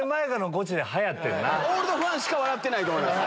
オールドファンしか笑ってないと思います。